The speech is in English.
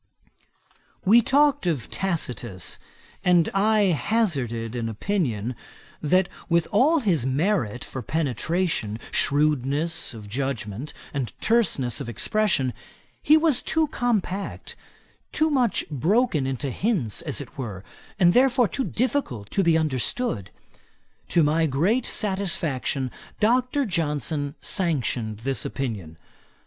We talked of Tacitus, and I hazarded an opinion, that with all his merit for penetration, shrewdness of judgement, and terseness of expression, he was too compact, too much broken into hints, as it were, and therefore too difficult to be understood. To my great satisfaction, Dr. Johnson sanctioned this opinion.